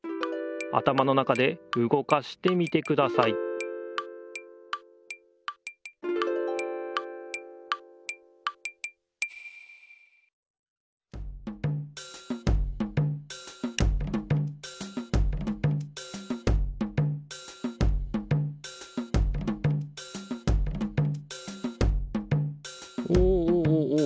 あたまの中でうごかしてみてくださいおおおお。